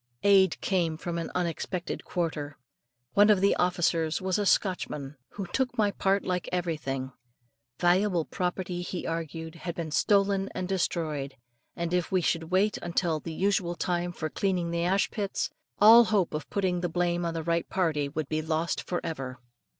Aid came from an unexpected quarter. One of the officers was a Scotchman, and took my part like everything. Valuable property, he argued, had been stolen and destroyed; and if we should wait until the usual time for cleaning the ashpits, all hope of putting the blame on the right party, would be lost for ever.